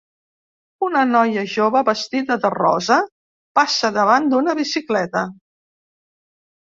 Una noia jove vestida de rosa passa davant d'una bicicleta.